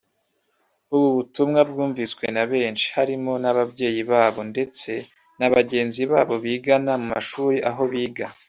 ubu butumwa bwumviswe na benshi barimo n’ababyeyi babo ndetse na bagenzi babo bigana mu mashuri aho biga